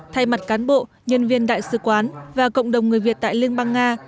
thay mặt cán bộ nhân viên đại sứ quán và cộng đồng người việt tại liên bang nga